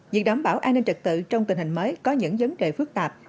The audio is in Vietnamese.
việc đảm bảo an ninh trật tự trong tình hình mới có những vấn đề phức tạp